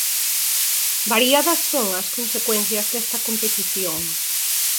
Variadas son as consecuencias desta competición.